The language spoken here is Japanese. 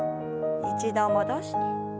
一度戻して。